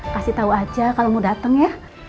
kasih tau aja kalau mau dateng ya